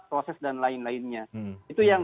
proses dan lain lainnya itu yang